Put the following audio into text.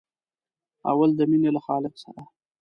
اول د مینې له خالق سره.